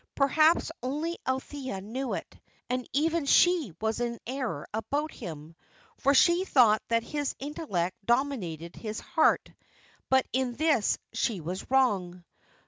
Perhaps only Althea knew it; and even she was in error about him, for she thought that his intellect dominated his heart; but in this she was wrong.